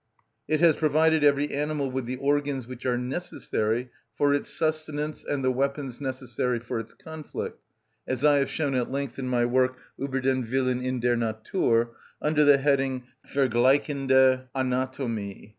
It has provided every animal with the organs which are necessary for its sustenance and the weapons necessary for its conflict, as I have shown at length in my work, "Ueber den Willen in der Natur," under the heading, "Vergleichende Anatomie."